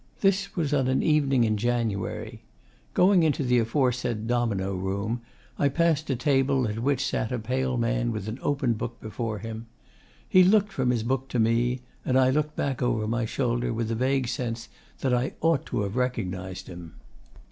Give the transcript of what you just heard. This was on an evening in January. Going into the aforesaid domino room, I passed a table at which sat a pale man with an open book before him. He looked from his book to me, and I looked back over my shoulder with a vague sense that I ought to have recognised him.